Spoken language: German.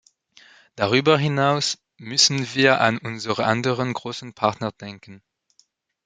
Darüber hinaus müssen wir an unsere anderen großen Partner denken.